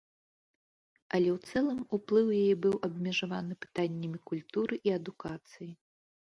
Але ў цэлым уплыў яе быў абмежаваны пытаннямі культуры і адукацыі.